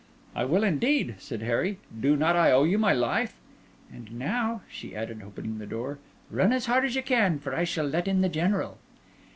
"I will indeed," said Harry. "Do not I owe you my life?" "And now," she added, opening the door, "run as hard as you can, for I shall let in the General."